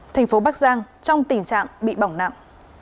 thành phố bắc giang trong tình trạng bị bỏng nặng